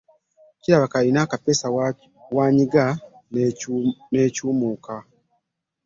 Kirabika olina akapeesa w'onyiga ne nkyamuka.